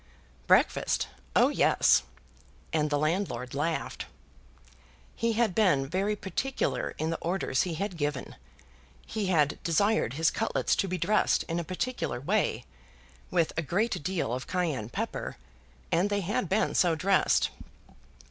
"Breakfast! Oh yes;" and the landlord laughed. He had been very particular in the orders he had given. He had desired his cutlets to be dressed in a particular way, with a great deal of cayenne pepper, and they had been so dressed.